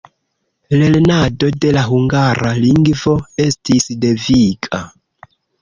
Lernado de la hungara lingvo estis deviga.